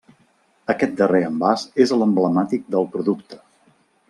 Aquest darrer envàs és l'emblemàtic del producte.